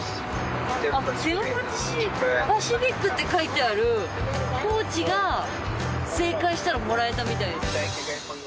「セブパシフィック」って書いてあるポーチが正解したらもらえたみたいです。